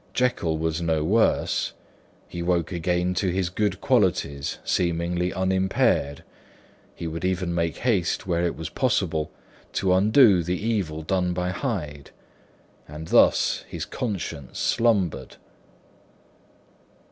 Jekyll was no worse; he woke again to his good qualities seemingly unimpaired; he would even make haste, where it was possible, to undo the evil done by Hyde. And thus his conscience slumbered.